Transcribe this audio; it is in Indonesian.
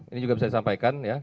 ini juga bisa disampaikan